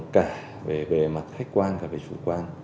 cả về mặt khách quan cả về chủ quan